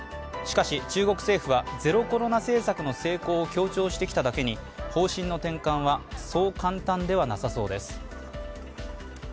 しかし中国政府はゼロコロナ政策の成功を強調してきただけに方針の転換はそう簡単ではなさそうです。